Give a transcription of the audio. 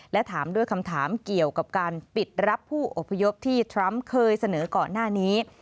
และถามด้วยคำถามเกี่ยวกับการปิดรับผู้อพยพที่ทรัมป์เคยเสนอก่อนหน้านี้